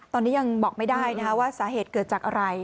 ตอนนี้ยังบอกไม่ได้ว่าสาเหตุเกิดจากอะไร